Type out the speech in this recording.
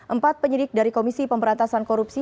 empat penyidik dari komisi pemberantasan korupsi